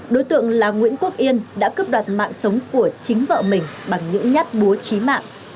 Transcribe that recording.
đối tượng là nguyễn quốc yên đã cướp đoạt mạng sống của chính vợ mình bằng những nhát búa trí mạng